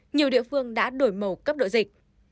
nhiều địa phương đã đổi màu cấp độ dịch